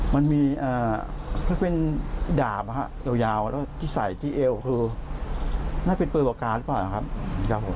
มันเป็นทางเข้าหมู่บ้างมันเป็นทางเข้าหมู่บ้าง